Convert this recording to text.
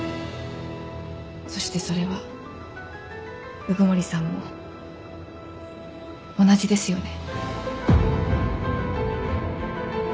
そしてそれは鵜久森さんも同じですよね？